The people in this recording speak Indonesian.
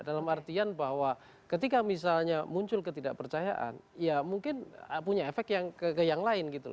dalam artian bahwa ketika misalnya muncul ketidakpercayaan ya mungkin punya efek yang lain gitu loh